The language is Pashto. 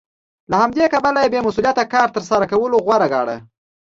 له همدې کبله یې بې مسوولیته کار تر سره کولو غوره ګاڼه